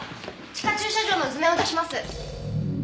地下駐車場の図面を出します。